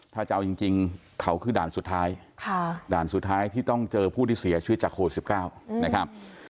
ถ้าจะเอาจริงเขาคือด่านสุดท้ายด่านสุดท้ายที่ต้องเจอผู้ที่เสียชีวิตจากโควิด๑๙นะครับ